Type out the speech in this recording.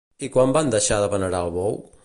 I quan van deixar de venerar al bou?